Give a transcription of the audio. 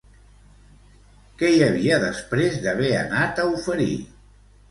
Què hi havia després d'haver anat a oferir?